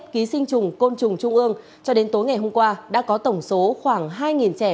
ký sinh trùng côn trùng trung ương cho đến tối ngày hôm qua đã có tổng số khoảng hai trẻ